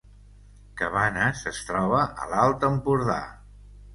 Cabanes es troba a l’Alt Empordà